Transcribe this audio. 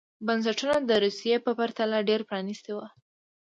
بنسټونه د روسیې په پرتله ډېر پرانېستي وو.